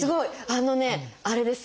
あのねあれです